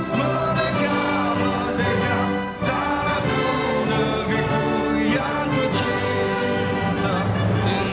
pemirsa dan hadirin sekalian